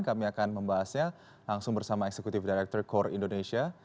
kami akan membahasnya langsung bersama eksekutif direktur core indonesia